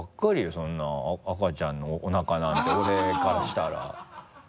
そんな赤ちゃんのおなかなんて俺からしたら。